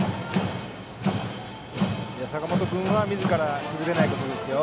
坂本君はみずから崩れないことですよ。